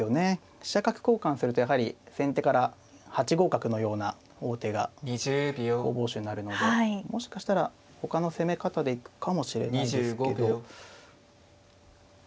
飛車角交換するとやはり先手から８五角のような王手が攻防手になるのでもしかしたら他の攻め方で行くかもしれないですけど。